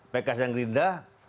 pks dan gerindra